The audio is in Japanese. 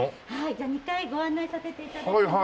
じゃあ２階ご案内させて頂きます。